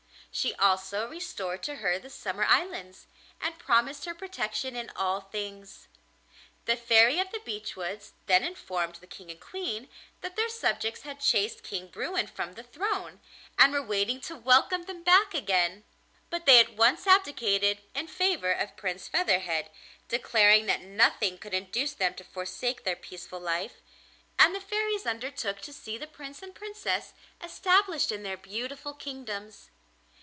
She also restored to her the Summer Islands, and promised her protection in all things. The Fairy of the Beech Woods then informed the King and Queen that their subjects had chased King Bruin from the throne, and were waiting to welcome them back again; but they at once abdicated in favour of Prince Featherhead, declaring that nothing could induce them to forsake their peaceful life, and the Fairies undertook to see the Prince and Princess established in their beautiful kingdoms.